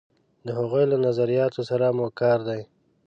د هغوی له نظریاتو سره مو کار دی.